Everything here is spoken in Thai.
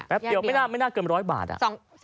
แป๊บเดียวไม่น่าเกิน๑๐๐บาทอ่ะ